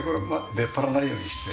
出っ張らないようにして。